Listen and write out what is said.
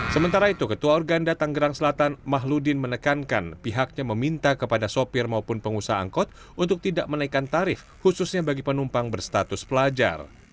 sementara itu ketua organda tanggerang selatan mahludin menekankan pihaknya meminta kepada sopir maupun pengusaha angkot untuk tidak menaikkan tarif khususnya bagi penumpang berstatus pelajar